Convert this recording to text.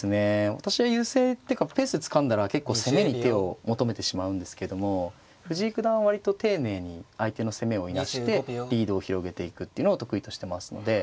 私は優勢っていうかペースつかんだら結構攻めに手を求めてしまうんですけども藤井九段は割と丁寧に相手の攻めをいなしてリードを広げていくっていうのを得意としてますので。